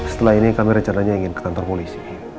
setelah ini kami rencananya ingin ke kantor polisi